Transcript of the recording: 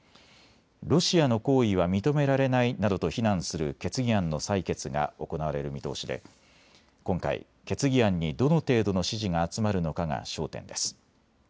ロシアの行為は認められないなどと非難する決議案の採決が行われる見通しで今回、決議案にどの程度の支持が集まるのかが焦点です。